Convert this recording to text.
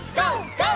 ＧＯ！